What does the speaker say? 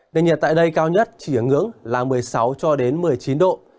nền nhiệt tại đây cao nhất chỉ ở ngưỡng là một mươi sáu cho đến một mươi chín độ